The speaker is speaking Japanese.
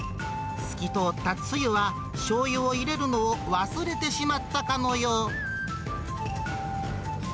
透き通ったつゆは、しょうゆを入れるのを忘れてしまったかのよう。